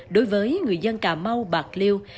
đối với người dân cà mau bạc liêu